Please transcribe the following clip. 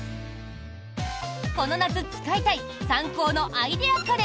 この夏使いたいサンコーのアイデア家電